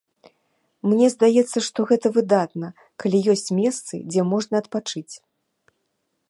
Мне здаецца, што гэта выдатна, калі ёсць месцы, дзе можна адпачыць.